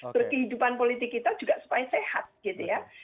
berkehidupan politik kita juga supaya sehat gitu ya